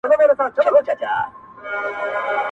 ځي تر قصابانو په مالدار اعتبار مه کوه.!